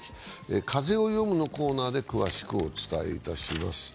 「風をよむ」のコーナーで詳しくお伝えします。